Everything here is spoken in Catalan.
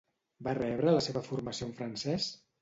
Va rebre la seva formació en francès?